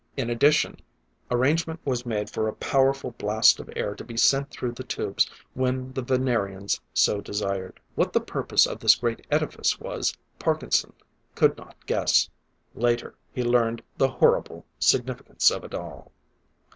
In addition, arrangement was made for a powerful blast of air to be sent through the tubes when the Venerians so desired. What the purpose of this great edifice was, Parkinson could not guess: later, he learned the horrible significance of it all.